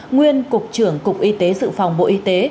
nguyên cục trưởng cục y tế dự phòng bộ y tế